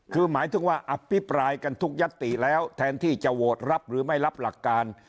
คือหมายถึงว่าอภิปรายกันทุกยัตติแล้วแทนที่จะโหวตรับหรือไม่รับหลักการ